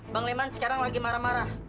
bang leman sekarang lagi marah marah